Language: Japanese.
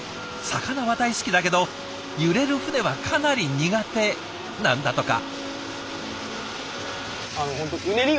魚は大好きだけど揺れる船はかなり苦手なんだとか。